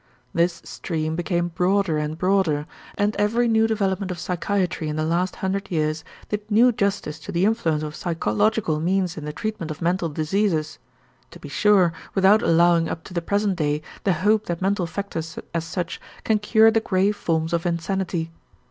This stream became broader and broader and every new development of psychiatry in the last hundred years did new justice to the influence of psychological means in the treatment of mental diseases; to be sure, without allowing up to the present day the hope that mental factors as such can cure the grave forms of insanity.